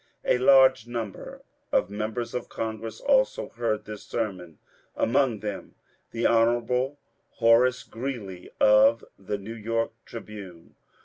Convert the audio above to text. A large number of members of Congress also heard this sermon, among them the Hon. Horace Greeley of the New York " Tribune."